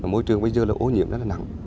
môi trường bây giờ là ô nhiễm rất là nặng